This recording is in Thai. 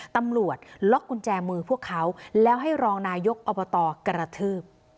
ตำรวจล็อกกุญแจมือพวกเขาแล้วให้รองนายกอบตกระทืบ